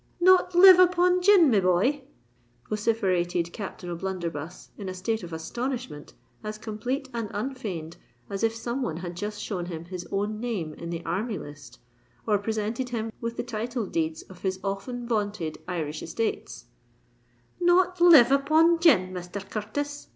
"Not live upon gin, me boy!" vociferated Captain O'Blunderbuss, in a state of astonishment as complete and unfeigned as if some one had just shown him his own name in the Army List, or presented him with the title deeds of his often vaunted Irish estates: "not live upon gin, Misther Curtis!"